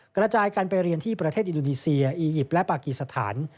กระจายกันไปเรียนที่ประเทศอินโดนีเซียอียิปต์และปากีสถาน